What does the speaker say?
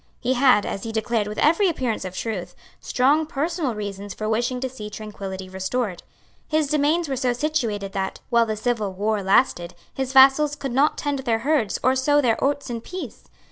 He had, as he declared with every appearance of truth, strong personal reasons for wishing to see tranquillity restored. His domains were so situated that, while the civil war lasted, his vassals could not tend their herds or sow their oats in peace.